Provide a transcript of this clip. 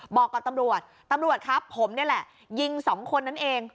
บอกกับตำรวจตำรวจครับผมนี่แหละยิงสองคนนั้นเอง